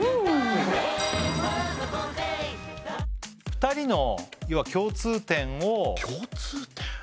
２人の共通点を共通点？